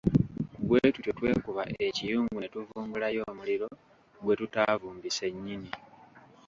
Bwe tutyo twekuba ekiyungu ne tuvumbulayo omuliro gwe tutaavumbise nnyini.